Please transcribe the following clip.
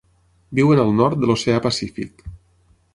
Viuen al nord de l'oceà Pacífic.